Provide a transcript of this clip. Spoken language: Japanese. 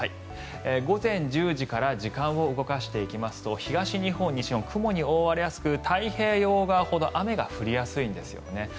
午前１０時から時間を動かしていきますと東日本、西日本雲に覆われやすく太平洋側ほど雨が降りやすいんですよね。